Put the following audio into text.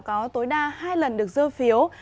có tối đa hai lần được dơ phiếu